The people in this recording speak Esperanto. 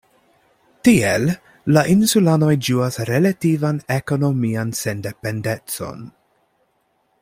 Tiel la insulanoj ĝuas relativan ekonomian sendependecon.